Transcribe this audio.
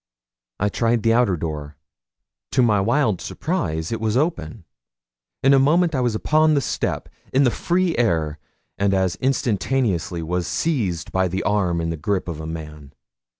I tried the outer door. To my wild surprise it was open. In a moment I was upon the step, in the free air, and as instantaneously was seized by the arm in the gripe of a man.